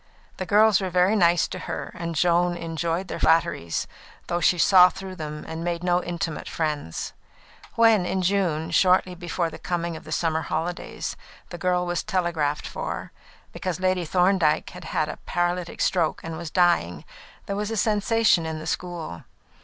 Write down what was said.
The girls were very nice to her, and Joan enjoyed their flatteries, though she saw through them and made no intimate friends. When in June, shortly before the coming of the summer holidays, the girl was telegraphed for, because Lady Thorndyke had had a paralytic stroke and was dying, there was a sensation in the school.